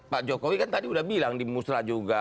pak jokowi kan tadi udah bilang di musra juga